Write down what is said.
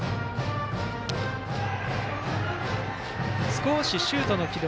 少しシュートの軌道。